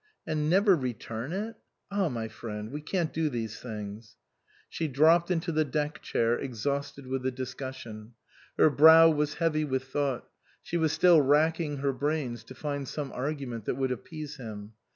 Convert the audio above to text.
" And never return it ? Ah, my friend ! we can't do these things." She dropped into the deck chair, exhausted 184 OUTWARD BOUND with the discussion. Her brow was heavy with thought ; she was still racking her brains to find some argument that would appease him.